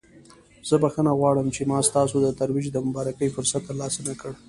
زه بخښنه غواړم چې ما ستاسو د ترویج د مبارکۍ فرصت ترلاسه نکړ.